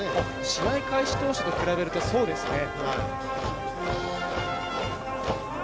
試合開始当初と比べるとそうですね。